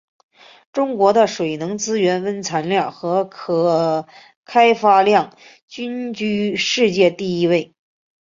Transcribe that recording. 中国的水能资源蕴藏量和可开发量均居世界第一位。